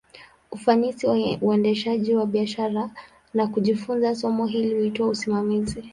Ufanisi wa uendeshaji wa biashara, na kujifunza somo hili, huitwa usimamizi.